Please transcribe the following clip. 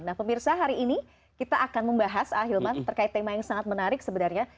nah pemirsa hari ini kita akan membahas ah hilman terkait tema yang sangat menarik sebenarnya